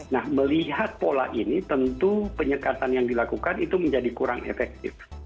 nah melihat pola ini tentu penyekatan yang dilakukan itu menjadi kurang efektif